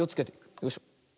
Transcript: よいしょ。